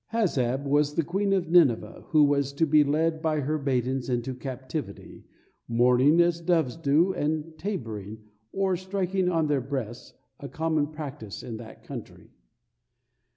Hazzab was the queen of Nineveh, who was to be led by her maidens into captivity, mourning as doves do, and "tabering," or striking on their breasts, a common practice in that country.